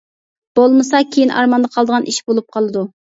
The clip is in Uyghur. بولمىسا كېيىن ئارماندا قالىدىغان ئىش بولۇپ قالىدۇ.